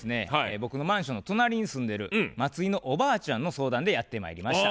僕のマンションの隣に住んでる松井のおばあちゃんの相談でやってまいりました。